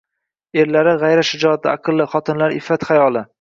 Erlari g‘ayrat-shijoatli, aqlli, xotinlari iffat-hayoli